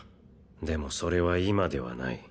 でもそれは今ではない。